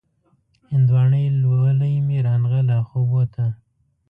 هندواڼۍ لولۍ مې را نغله خوبو ته